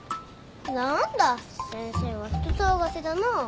何だ先生は人騒がせだな。